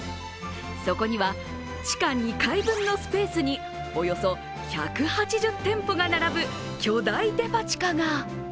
そこには地下２階分のスペースにおよそ１８０店舗が並ぶ巨大デパ地下が。